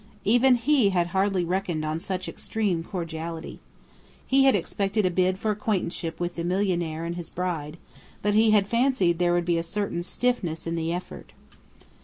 Even he had hardly reckoned on such extreme cordiality. He had expected a bid for acquaintanceship with the "millionaire" and his bride, but he had fancied there would be a certain stiffness in the effort.